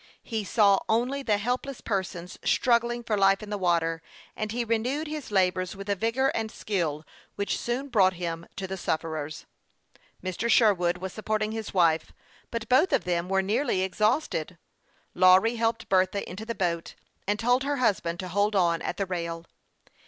He saw only the helpless persons struggling for life in the water, and he renewed his labors with a vigor and skill which soon brought him to the sufferers. Mr. Sherwood was supporting his wife ; but both of them were nearly exhausted. Lawry helped Bertha into the boat, and told her husband to hold on at the rail.